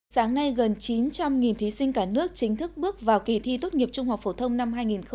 sáng nay gần chín trăm linh thí sinh cả nước chính thức bước vào kỳ thi tốt nghiệp trung học phổ thông năm hai nghìn hai mươi